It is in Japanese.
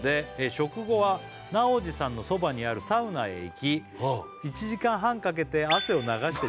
「食後はなおじさんのそばにあるサウナへ行き」「１時間半かけて汗を流して」